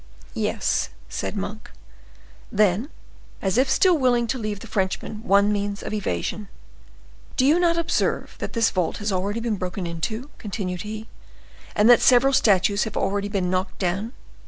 "Yes," said Monk. Then, as if still willing to leave the Frenchman one means of evasion,— "Do you not observe that this vault has already been broken into," continued he, "and that several statues have already been knocked down?"